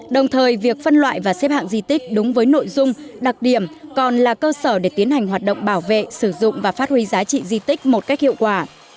đồng thời việc phân loại và xếp hạng di tích đúng với nội dung đặc điểm còn là cơ sở để tiến hành hoạt động bảo vệ sử dụng và phát huy giá trị di tích một cách hiệu quả